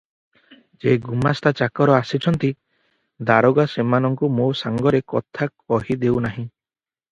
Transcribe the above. ଯେ ଗୁମାସ୍ତା ଚାକର ଆସିଛନ୍ତି, ଦାରୋଗା ସେମାନଙ୍କୁ ମୋ ସାଙ୍ଗରେ କଥା କହି ଦେଉନାହିଁ ।